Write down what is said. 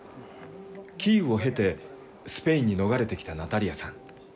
キーウを経て、スペインに逃れてきたナタリヤさん。